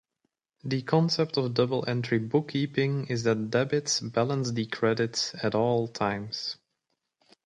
The concept of Double-entry Bookkeeping is that debits balance the credits at all times.